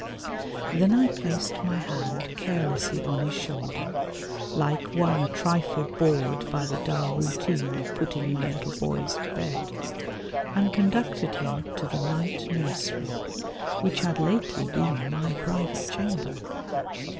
Then I placed my hand carelessly on his shoulder, like one a trifle bored by the dull routine of putting my little boys to bed, and conducted him to the night nursery, which had lately been my private chamber.